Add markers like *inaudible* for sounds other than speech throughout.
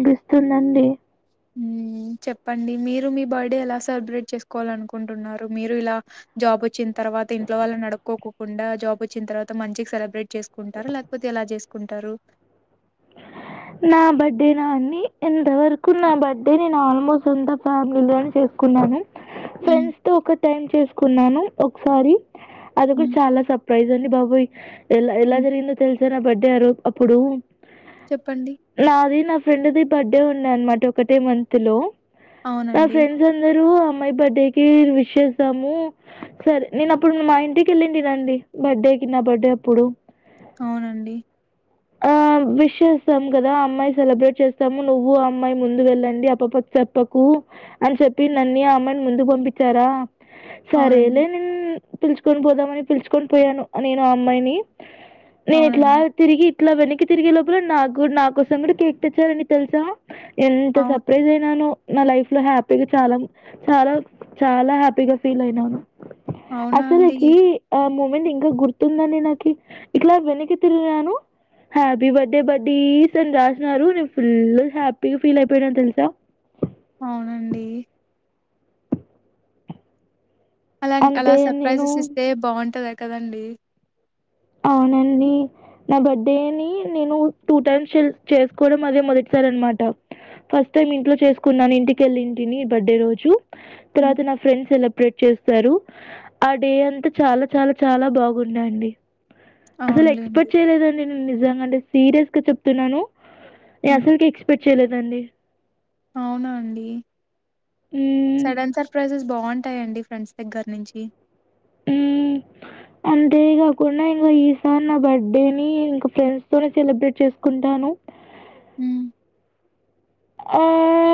ఏడుస్తుందండి ఉ చెప్పండి మీరు మీ బర్త్డే ఎలా సెలబ్రేట్ చేసుకోవాల అనుకుంటున్నారు మీరు ఇలా జాబ్ వచ్చిన్ తర్వాత ఇంట్లో వాళ్ళ నడుక్కకోకుండా జాబ్ వచ్చిన తర్వాత మంచికి సెలబ్రే చేసుకుంటార లేకపోతే ఎలా చేసుకుంటారు నా బర్త్డే నా అని ఎంతవరకు నా బర్త్డే నేను ఆల్ ఫ్యామిలోనే చేసుకున్నాను హ్మ్. ఫ్రెండ్స్ తో ఒక టైమ్ చేసుకున్నాను ఒకసారి అది కూడా హ్మ్. చాల సర్ప్రైజ్ అండి బాబోయ్ ఎలా ఎలా హ్మ్. జరిగిందో తెలిసా నా బర్డేయారు అప్పుడు చెప్పండి. ఫ్రెండ్ది బర్త్డే ఉంది అనమాట ఒకటే మంత్ లో ఆ అవునండి. ఫ్రెండ్స్ అందరు అమ్మాయి బర్త్డే కి విష్ చేస్తాము సరే నేను అప్పుడు మా ఇంటికి వెళ్ళి *unintelligible* బర్త్డే కి నా బర్డే అప్పుడు అవునండి ఆ విష్ చేస్తాము కదా అమ్మాయి సెలబ్రేట్ చేస్తాము నువ్వు అమ్మాయి ముందు వెళ్ళండి ఆపాపకు చెప్పకు అని చెప్పిందండి ఆ అమ్మాయిని ముందుకు పంపించారా అవునండి. సరేలే నేను పిలుచుకొని పోదామని పిలుచుకొని పోయాను నేను ఆ అమ్మాయిని నేను ఇట్లా అవునండి. తిరిగి ఇట్లా వెనక్కి తిరిగే లోపల నాకు నా కోసం కూడా కేక్ తెచ్చారండి తెలుసా ఎంత అవు సర్ప్రైజ్ అయిననో నా లైఫ్ లో హ్యాపీగా చాల చాలా చాలా హ్యాపీగా ఫీల్ అయినాను అవునా అండి? అసలకి *unintelligible* ఇంకా గుర్తుందండి నాకు ఇట్లా వెనకి తిరిగినను హ్యాపీ బర్త్డే బడ్డీస్ అని రాసిన్నారు నేను ఫుల్ హ్యాపీగా ఫీల్ అయిపోయినాను తెలుసా అవునండి. అలా అలా అంతే నేను సర్ప్రైజెస్ ఇస్తే బాగుంటదా కదండి అ వునండి నా బర్డేని నేను టూ టైమ్స్ చేసుకోవడం అదే మొదటిసారి అన్నమాట ఫస్ట్ టైమ్ ఇంట్లో చేసుకున్నాను ఇంటికెళ్ళింటిని బర్డే రోజు హ్మ్. తర్వాత నా ఫ్రెండ్స్ సెల బ్రేట్ చేస్తారు ఆ డే అంతా చాల చాల చాలా బాగుండే అండి అసలు అవునులేండి. ఎక్స్పెక్ట్ చేయలేదండి నేను నిజంగా అంటే సీరియస్ గా చెప్తున్నాను నే హ్మ్. అసల్కే ఎక్స్పెక్ట్ చేయలేదండి అవునా అండి? మ్మ్ సడన్ సర్ప్రైజెస్ బావుంటాయండి ఫ్రెండ్స్ దగ్గర నుంచి ఉ అంతే కాకుండా ఇంకా ఈసారి నా బర్డేని ఇంకా ఫ్రెండ్స్ తోనే సెలబ్రేట్ చేసుకుం టాను హు అ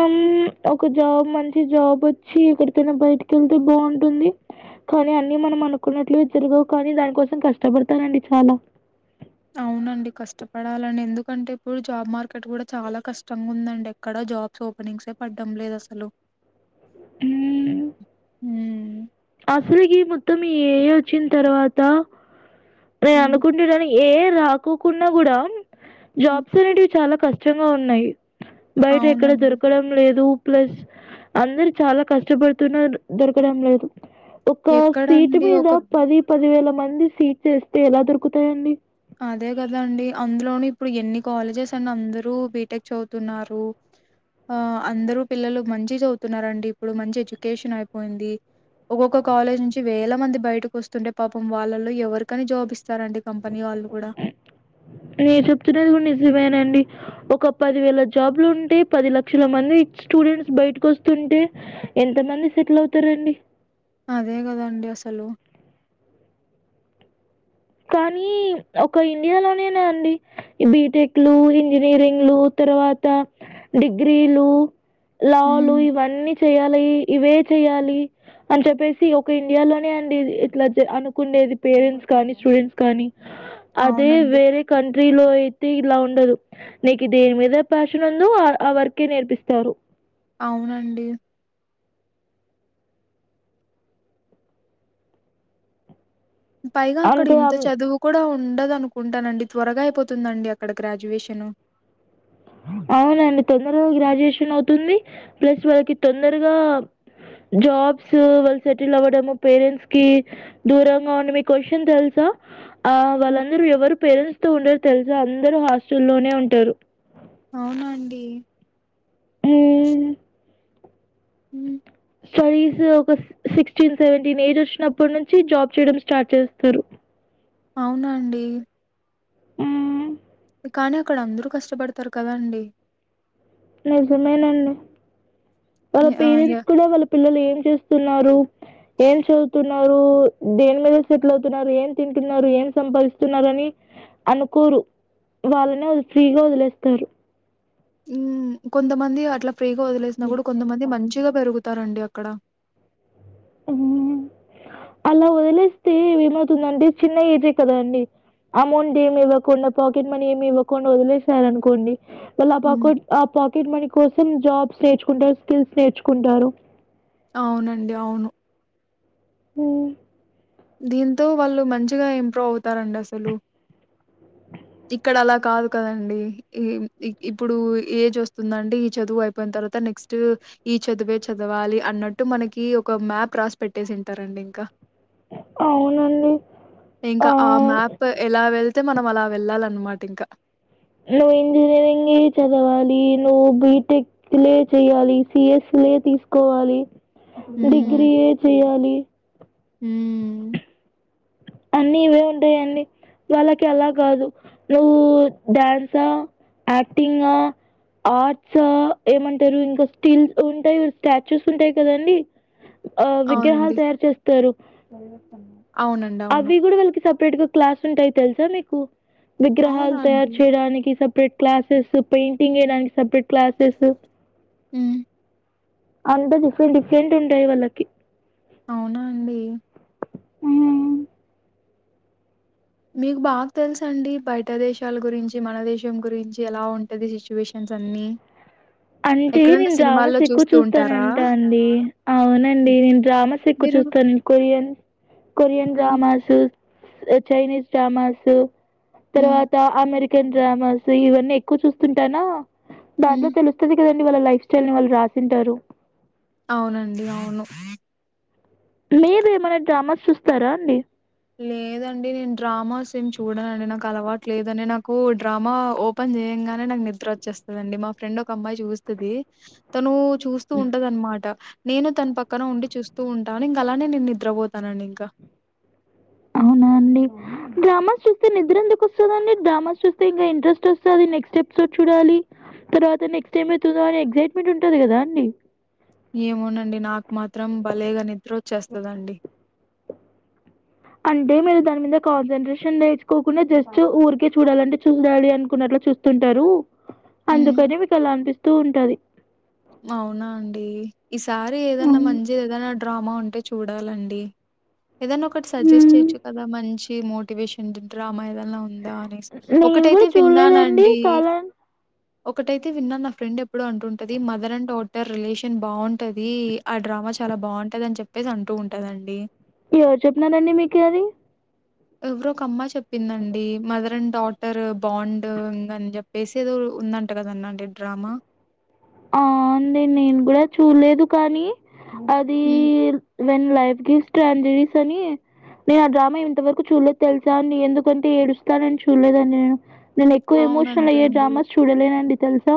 ఉమ్ ఒక జాబ్ మంచి జాబ్ వచ్చి ఎక్కడికైనా బయటికి వెళ్తే బావుంటుంది కర్ కాని అన్ని మనం అనుకున్నట్లు జరగవు కానీ దానికోసం కష్టపడతనండి చాలా పడాలండి ఎందుకంటే ఇప్పుడు జాబ్ మార్కెట్ కూడా చాలా కష్టంగా ఉందండి ఎక్కడ జాబ్స్ ఓపనింగ్సే పడ్డం లేదసలు హుమ్ హుమ్ అసలుకి మొత్తం ఈ ఏఐ వచ్చిన తర్వాత నే హ్మ్. అనుకుంటున్నాను ఏఐ రాకోకున్న కూడా హ్మ్. జాబ్స్ అనేటివి చాలా కష్టంగా ఉన్నాయి బయట ఎక్కడ అవునండి. దొరకడం లేదు ప్లస్ అందరు చాలా కష్టపడుతున్న దొరకడం లేదు ఒక సీటు ఎక్కడండి మీద ఒక పది పది వేల మంది సీట్ చేస్తే ఎలా దొరుకుతాయిండి అదే కదాండి అందులోన ఇప్పుడు ఎన్ని కాలేజెస్ అని అందరూ బీటెక్ చదువుతున్నారు. ఆ అందరు పిల్లలు మంచి చదువుతున్నారండి ఇప్పుడు మంచి ఎడ్యుకేషన్ అయిపోయింది. ఒక్కొక్క కాలేజ్ నుంచి వేల మంది బయటకు వస్తుంటే పాపం వాళ్ళలో ఎవరికని జాబ్ ఇస్ తారండి కంపెనీ వాళ్లు మీరు చెప్తున్నది కూడ నిజ మేనండి ఒక పది వేల జాబ్లు ఉంటే పది లక్షల మంది స్టూడెంట్స్ బయటకు వస్తుంటే ఎంత మంది సెటిల్ అవుతారండి అదే కదాండి అసలు కానీ ఒక ఇండియా లోనేన అండి బిటెక్ లు ఇంజనీరింగ్లు తర్వాత డిగ్రీలు లాలు హ్మ్. ఇవన్నీ చెయ్యాలి ఇవే చెయ్యాలి అని చెప్పేసి ఒక ఇండియాలోనే అండి ఇట్లా అనుకుండేది పేరెంట్స్ కానీ స్టూడెంట్స్ కానీ అదే అవునండి. వేరే కంట్రీ లో అయితే ఇలా ఉండదు నీకు దేని మీద ప్యాషన్ వుందో ఆ ఆ వర్కే నేర్పిస్తారు. అవునండి పైగా అక్కడ అంతే ఇంత అం చదువు కూడా ఉ ఉండదునుకుంటానండి త్వరగా అయిపోతుందండి అక్కడ గ్రాడ్యుయేషను అవునండి తొందరగా గ్రాడ్యుయేషన్ అవుతుంది ప్లస్ వాళ్ళకి తొందరగా జాబ్స్ వాళ్ళు సెటిల్ అవ్వడము పేరెంట్స్ కి దూరంగా ఉన్నా మీకో విషయం తెలుసా ఆ హ్మ్. వాళ్ళందరూ ఎవరు పేరెంట్స్ తో ఉండరు తెలుసా అందరు హాస్టల్లోనే ఉంటారు అవునాండి ఉమ్ ఉ స్టడీస్ ఒక సిక్స్టీన్ సెవెంటీన్ ఏజ్ వచ్చినప్పటి నుంచి జాబ్ చేయడం స్టార్ట్ చేస్తారు అవునండి ఉ కానీ అక్కడ అందరూ కష్టపడతారు కదా అండి నిజమేనండి వాళ్ళ యాహ్! ఆహ్, పేరెంట్స్ యాహ్! కూడా వాళ్ళ పిల్లలు ఏం చేస్తున్నారు ఏం చదువుతున్నారు దేని మీద సెటిల్ అవుతున్నారు ఏం తింటున్నారు ఏం సంపాదిస్తున్నారు అని అనుకోరు వాళ్ళనే ఫ్రీగా వదిలేస్తారు ఉ కొంతమంది అట్లా ఫ్రీగా వదిలేసినా కూడా కొంతమంది మంచిగా పెరుగుతారండి అక్కడ ఉ అలా వదిలేస్తే ఏమవుతుంది అండి చిన్న ఏజే కదా అండి అమౌంట్ ఏమి ఇవ్వకుండా పాకెట్ మనీ ఏమి ఇవ్వకుండా వదిలేసార అనుకోండి వాళ్ళు ఆ హ్మ్. పాకెట్ ఆ పాకెట్ మనీ కోసం జాబ్స్ నేర్చుకుంటారు స్కిల్స్ నేర్చుకుంటారు అవునండి అవును ఉ దీంతో వాళ్ళు మంచిగా ఇంప్రూవ్ అవుతారండి అసలు అ ఇక్కడ అలా కాదు కదండి ఇ ఇప్పుడు ఏజ్ వస్తుందండి ఈ చదువు అయిపోయిన తర్వాత నెక్స్ట్ ఈ చదివే చదవాలి అన్నట్టు మనకి ఒక మ్యాప్ రాస్ పెట్టేసింటారండి ఇంకా అవునండి. ఇంకా ఆ ఆహ్, మ్యాప్ ఎలా వెళ్ తే మనం అలా వెళ్ళాలి ఆన్నమాట ఇంకా నువ్వు ఇంజనీరింగ్ చదవాలి నువ్వు బిటెక్లే చెయ్యాలి సిఎస్ సి లే తీసుకోవాలి డిగ్రీ ఏ చేయాలి ఊ అన్నీ ఇవే ఉంటాయి అండి వాళ్ళకి అలా కాదు నువ్వు డ్యాన్సా యాక్టింగ్ ఆ ఆర్ట్స్ ఏమంటారు ఇంకా స్టిల్ ఉంటాయి స్టాచ్యూస్ ఉంటాయి కదండి ఆ విగ్రహాలు అవునండి. తయారు చేస్తారు అవునండి అవును సపరేట్ గా క్లాస్ ఉంటాయి తెలుసా నీకు విగ్రహాలు అవునా తయారు అండి? చేయడానికి సప్ సపరేట్ క్లాసెస్ పేయింటింగ్ వేయడానికి సపరేట్ క్లాసెస్ ఉ అలాంటివి డిఫరెట్ డిఫరెంట్ ఉంటయి వాళ్ళకి అవునా అండి హ్మ్. మీకు బాగా తెలుసు అండి బయట దేశాల గురించి మన దేశం గురించి ఎలా ఉంటది సిచ్యువేషన్ ఆన్ని అంటే నేను డ్రామాస్ ఎక్కువ ఉంటారా? చూస్తానంటా అండి అవునండి నేను డ్రామాస్ ఎక్కువ చూ మీరు చూస్తాన్ కొరియన్ కొరియన్ హ్మ్. డ్రామాసు చైనీస్ డ్రామాసు హ్మ్. తర్వాత అమెరికన్ డ్రామాస్ ఇవన్నీ ఎక్కువ చూస్తుంటానా దాంట్లో హ్మ్. తెలుసు లేదండి వాళ్ళ లైఫ్ స్టైల్ ని వాళ్ళు రాసింటారు అవునండి అవును లేదే ఏమన్న డ్రామాస్ చూస్తారా అండి లేదండి నేను డ్రామాస్ ఏం చూడనండి నాకు అలవాటు లేదని నాకు డ్రామా ఓపెన్ తినం గానే నాకు నిద్ర వచ్చేస్తదండి మా ఫ్రెండ్ ఒక అమ్మాయి చూస్తది తను చూస్తూ ఉంటదన్నమాట నేను తన పక్కన ఉండి చూస్తూ ఉంటాను ఇంక అలానే నేను నిద్రపోతానండి ఇంకా అవునా అండి డ్రామాస్ చూస్తే నిద్ర ఎందుకు వస్తుందండి డ్రామాస్ చూస్తే ఇంకా ఇంట్రెస్ట్ వస్తది నెక్స్ట్ ఎపిసోడ్ చూడాలి తర్వాత నెక్స్ట్ ఏమైతదో అని ఎక్సైట్మెంట్ ఉంటది కదా అండి ఏమోనండి నాకు మాత్రం భలేగా నిద్ర వచ్చేస్తుందండి అంటే మీరు దాని మీద కాన్సంటట్రేషన్ నేర్చు కోకుండా జస్ట్ ఊరికే చూడాలంటే చూడాలి అనుకున్నట్లు చూస్తు ఉంటారు హ్మ్. అందుకని మీకు అలా అనిపిస్తూ ఉంటది అవునా అండి ఈసారి ఏదన్నా అవును మంచి ఏదన్నా డ్రామా ఉంటే చూడాలండి ఏదనా ఒకటి సజెస్ట్ హ్మ్ చేయచ్చు కదా మంచి మోటివేషన్ డ్రామా ఏదన్న అలా ఉందా అనేసి నేను కూడా ఒకటైతే చూడలేదండి విన్నానండి కాలా ఒకటైతే విన్నా నా ఫ్రెండ్ ఎప్పుడు అంటుంటది మదర్ అండ్ డాటర్ రిలేషన్ బాగుంటది ఆ డ్రామా చాలా బాగుంటది అని చెప్పేసి అంటూ ఉంటుందండి ఎవరు చెప్పినారండి మీకు అది ఎవరో ఒక అమ్మాయి చెప్పిందండి mother and daughter bond ఇంని చెప్పేసి ఏదో ఉందంట కదన్నండి డ్రామా అ అండి నేను కూడా చూడలేదు కానీ అది హ్మ్. వెన్ లైఫ్ గివ్స్ స్టాండరీస్ అని నేను ఆ డ్రామా ఇంతవరకు చూడలేదు తెలుసా అండి నీ ఎందుకంటే ఏడుస్తానని చూడలేదని నేను నేను ఎక్కువ ఎమోషనల్ అయ్యే అవునంటండి. డ్రామాస్ చూడలేనండి తెలుసా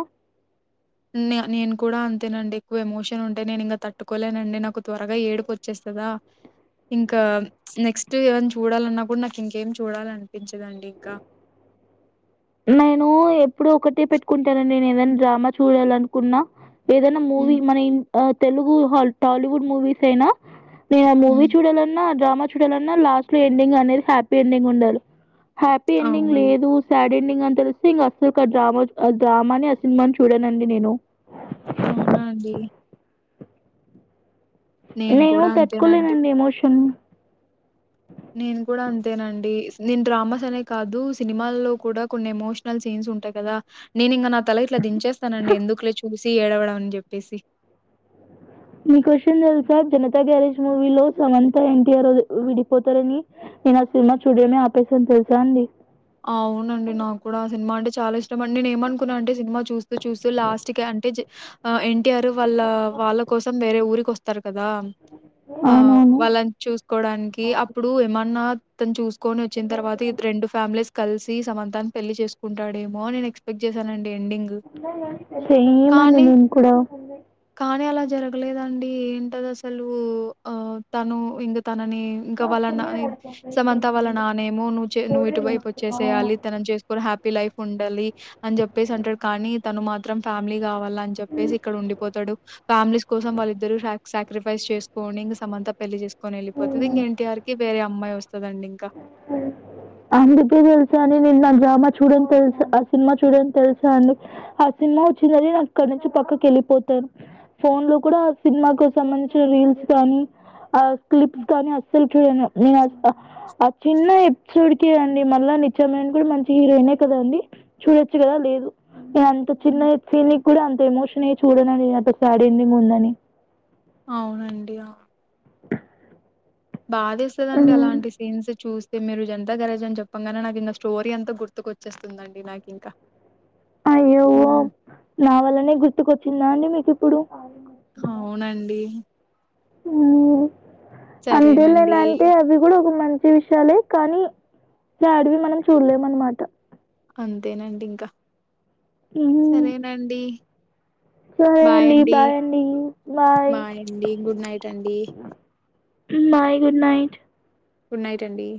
నేను కూడా అంతేనండి ఎక్కువ ఎమోషన్ ఉంటే నేను ఇంకా తట్టుకోలేనండి నాకు త్వరగా ఏడుపు వచ్చేస్త కదా ఇంకా నెక్స్ట్ ఏవన్న చూడాలన్నా కూడా నాకు ఇంకేమి చూడాలనిపించదండి ఇంకా అ నేను ఎప్పుడు ఒకటే పెట్టుకుంటానండి నేను ఏదైనా డ్రామా చూడాలనుకున్నా ఏదైనా మూవీ హ్మ్. మన తెలుగు టాలీవుడ్ మూవీస్ అయినా నేను ఆ మూవీ హ్మ్. చూడాలన్నా డ్రామా చూడాలన్నా లాస్ట్ లో ఎండింగ్ అనేది హ్యాపీ ఎండింగ్ ఉండాలి హ్యాపీ ఎండింగ్ అవునండి. లేదు సాడ్ ఎండింగ్ అని తెలిసి ఇంక అసలు ఆ డ్రామా ఆ డ్రామాని ఆ సినిమాని చూడానండి నేను అవునా అండి నేను కూడా అంతేనండి. తట్టుకోలేనండి ఎమోషన్ నేను కూడా అంతేనండి నేను డ్రామాస్ అనే కాదు సినిమాల్లో కూడా కొన్ని ఎమోషనల్ సీన్స్ ఉంటాయి కదా నేను ఇంక నా తల ఇట్లా దించేస్తానండి ఎందుకులే చూసి ఏడవడం అని చెప్పేసి అ మీకో విషయం తెలుసా జనతా గ్యారేజ్ మూవీ లో సమంత ఎన్టీఆర్ విడిపోతారని నేను ఆ సినిమా చూడియమే ఆపేసాను తెలుసా అండి అవునండి నాకు కూడా సినిమా అంటే చాలా ఇష్టం అండి నేను ఏమనుకున్నా అంటే సినిమా చూస్తూ చూస్తూ లాస్ట్ కి అంటే జ ఎన్ ఎన్ టీ ఆర్ వాళ్ళ వాళ్ళ కోసం వేరే ఊరికి వస్త కదా ఆ అవునవును. వాళ్ళని చూసుకోవడానికి అప్పుడు ఏమన్నా తను చూసు కొని వచ్చిన తర్వాత రెండు ఫ్యామిలీస్ కలిసి సమంతా ప పెళ్లి చేసుకుంటాడేమో నేను ఎక్స్పెక్ట్ చేశానండి ఎండింగ్ సేమ్ అండి కానీ నేను కూడా కానీ అలా జరగలేదండి ఏంటది అసలు ఆ తను ఇంగ తనని ఇంకా వాళ్ళ నా సమంత వాళ్ళ నానేమో నువ్ చే నువ్వు ఇటు వైపు వచ్చేసేయాలి తన హ్యాపీ లైఫ్ ఉండాలి అని చెప్పేసి అంటాడు కానీ తను మాత్రం ఫ్యామిలీ కావాలి అని చెప్పేసి ఇక్కడ ఉండిపోతడు ఫ్యామిలీస్ కోసం వాళ్లిద్దరు సాక్రిఫైస్ చేసుకోని ఇం సమంత పెళ్లి చేసుకొని వెళ్ళిపోతుంది ఇంక ఎన్టీఆర్కి వేరే అమ్మాయి వస్తుదండి ఇంకా నీకు తెలుసా అండి *unintelligible* చూడండి తెలుసా ఆ సినిమా చూడను తెలుసా అండి ఆ సినిమా వచ్చిందని నాకు అక్కడ నుంచి పక్కకెల్ పోతారు ఫోన్ లో కూడ సినిమాకు సంబంధించిన రీల్స్ కానీ ఆ క్లిప్స్ కానీ అస్సలు చడను *unintelligible* ఆ చిన్న ఎపిసోడ్ కకే అండి మళ్ళా నిత్యమని కూడా మంచి హీరోయినే కదా అండి చూడొచ్చు కదా లేదు అంత చిన్న హుహు. సీన్ కూడా అంత ఎమోషన్ అయ్యి చూడను అండి సాడ్ ఎండింగ్ ఉందని అవునండి బాదోస్తదండి అలాంటి సీన్స్ చూస్ మీరు జంత గ్యారేజ్ అని చెప్పంగానే నాకు ఇంక స్టోరీ అంత గుర్తుకువచ్చేస్తుందండి నాకు ఇంకా అయ్యయ్యో నా వల్లనే గుర్తుకొచ్చిందా అండి మీకు ఇప్పుడు అవునండి *unintelligible* సరేనండి. అంటే అవి కూడా ఒక *unintelligible* వచ్చే విషయాలే కానీ సాడ్ వి మనం చూడలేం అనమాట అంతేనండి ఇంకా హ్మ్. సరేనండి సరే అండి బాయండి. బాయ్ అండి బాయ్ బాయండి. గుడ్ నైట్ అండి. Bye good night good night అండి